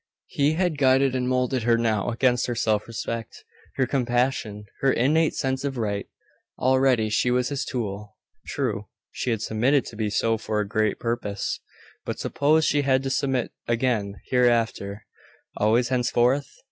He had guided and moulded her now against her self respect, her compassion, her innate sense of right. Already she was his tool. True, she had submitted to be so for a great purpose. But suppose she had to submit again hereafter always henceforth?